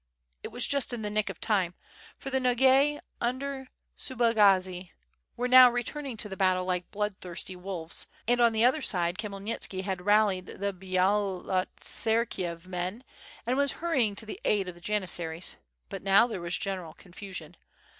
It was just in the nick of time, for the Nogais under Su iDeTU. 7IO WITH FIRE AND 8W0BD. bagazi were now returning to the battle like bloodthirsty wolves, and on the other side Khmyelnitaki had rallied the Byalotserkicv men and was hurrying to the aid of the janis saries; but now there was general confusion.